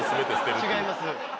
違います。